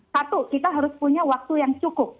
satu kita harus punya waktu yang cukup